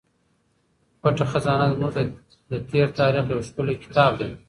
پټه خزانه زموږ د تېر تاریخ یو ښکلی کتاب دی.